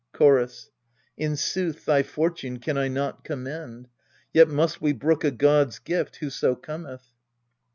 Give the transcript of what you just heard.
Chorus. In sooth thy fortune can I not commend : Yet must we brook a god's gift, whoso cometh.